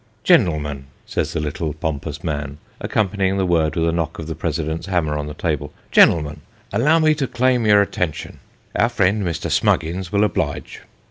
" GenTmen," says the little pompous man, accompanying the word with a knock of the pre sident's hammer on the table " GenTmen, allow me to claim your attention our friend, Mr. Smuggins, will oblige."